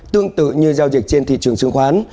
tương tự như giao dịch trên thị trường chứng khoán